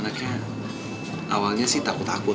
anaknya awalnya sih takut takut